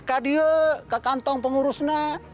kadiah ke kantong pengurusnya